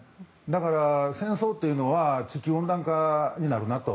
だから、戦争というのは地球温暖化になるなと。